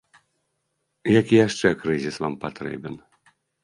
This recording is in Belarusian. Які яшчэ крызіс вам патрэбен?